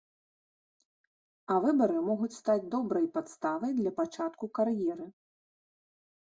А выбары могуць стаць добрай падставай для пачатку кар'еры.